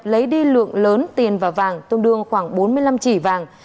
lấy đi lượng lớn tiền và vàng tương đương khoảng bốn mươi năm chỉ vàng